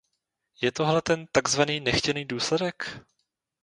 Je tohle ten takzvaný nechtěný důsledek?